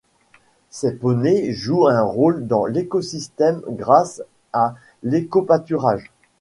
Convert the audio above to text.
Ces poneys jouent un rôle dans l'écosystème, grâce à l'écopâturage.